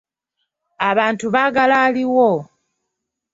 Abantu baagala aliwo.